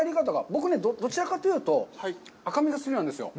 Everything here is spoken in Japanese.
僕、どちらかというと、赤身が好きなんですよ。